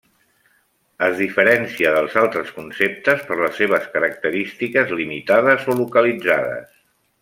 Es diferencia dels altres conceptes per les seves característiques limitades o localitzades.